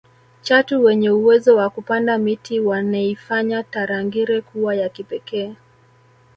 chatu wenye uwezo wa kupanda miti waneifanya tarangire kuwa ya kipekee